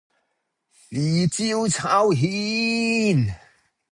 豉椒炒蜆